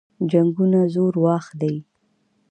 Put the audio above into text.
جنګونه زور واخلي.